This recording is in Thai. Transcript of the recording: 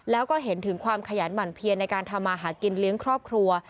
แล้วก็เห็นถึงความขยันหมั่นเพียนในการทำมาหากินเลี้ยงครอบครัว